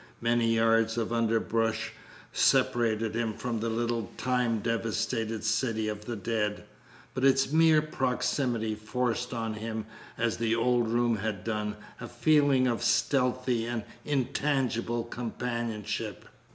Many yards of underbrush separated him from the little time devastated city of the dead, but its mere proximity forced on him, as the old room had done, a feeling of a stealthy and intangible companionship.